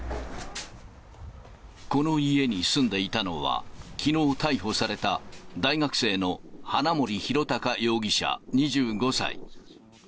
この家に住んでいたのは、きのう逮捕された大学生の花森弘卓容疑者２５歳。